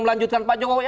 melanjutkan pak jokowi